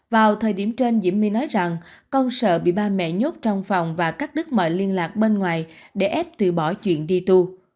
vào thời điểm trên diễm my nói rằng con sợ bị ba mẹ nhốt trong phòng và cắt đứt mọi liên lạc bên ngoài để ép từ bỏ chuyện đi tu